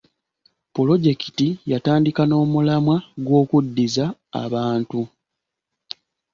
Pulojekiti yatandika n'omulamwa gw'okuddiza abantu.